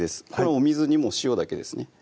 お水に塩だけですね